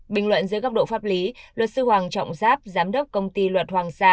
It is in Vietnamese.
bình luận dưới góc độ pháp lý luật sư hoàng trọng giáp giám đốc công ty luật hoàng sa